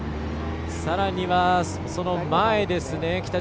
さらには、前ですね。